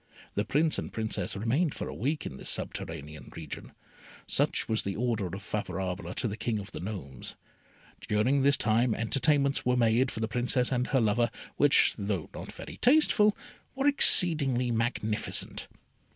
The Prince and Princess remained for a week in this subterranean region. Such was the order of Favourable to the King of the Gnomes. During this time entertainments were made for the Princess and her lover, which, though not very tasteful, were exceedingly magnificent.